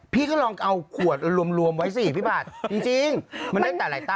พี่ก็ลองเอาขวดรวมไว้สิพี่บาทจริงมันได้แต่หลายตั